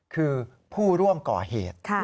คือผู้ร่วมก่อเหตุ